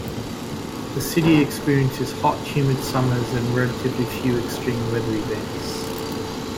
The city experiences hot, humid summers and relatively few extreme weather events.